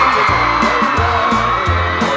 ภารามดู